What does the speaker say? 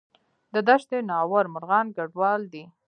د دشت ناور مرغان کډوال دي